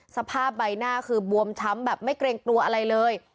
สภาพใบหน้าคือบวมช้ำแบบไม่เกรงกลัวอะไรเลย